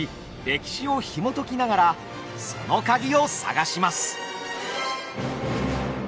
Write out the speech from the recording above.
歴史をひもときながらそのカギを探します。